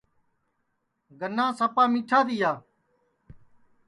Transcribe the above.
گنا سپا میٹھا تیا